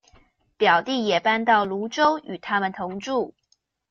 表弟也搬到蘆洲與他們同住